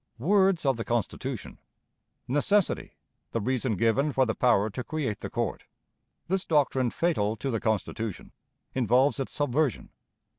Words of the Constitution. "Necessity," the reason given for the Power to create the Court. This Doctrine fatal to the Constitution; involves its Subversion.